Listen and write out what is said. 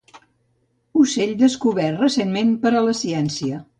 Ocell descobert recentment per a la ciència.